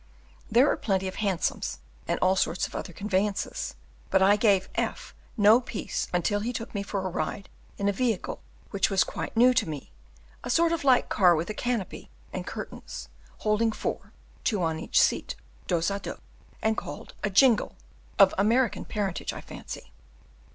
There are plenty of Hansoms and all sorts of other conveyances, but I gave F no peace until he took me for a drive in a vehicle which was quite new to me a sort of light car with a canopy and curtains, holding four, two on each seat, dos a dos, and called a "jingle," of American parentage, I fancy.